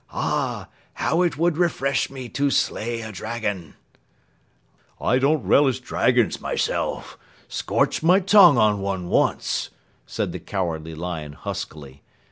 "Ah, how it would refresh me to slay a dragon!" "I don't relish dragons myself. Scorched my tongue on one once," said the Cowardly Lion huskily.